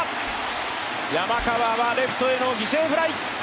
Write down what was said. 山川はレフトへの犠牲フライ。